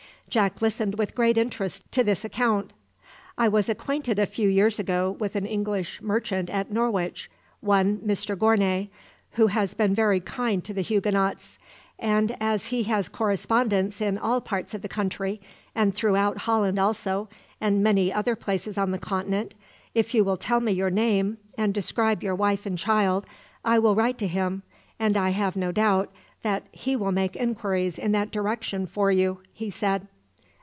Jack listened with great interest to this account. "I was acquainted a few years ago with an English merchant at Norwich, one Mr Gournay, who has been very kind to the Huguenots; and as he has correspondents in all parts of the country, and throughout Holland also, and many other places on the Continent, if you will tell me your name, and describe your wife and child, I will write to him, and I have no doubt that he will make inquiries in that direction for you," he said.